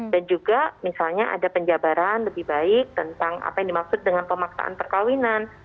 dan juga misalnya ada penjabaran lebih baik tentang apa yang dimaksud dengan pemaksaan perkahwinan